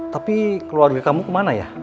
tapi keluarga kamu kemana ya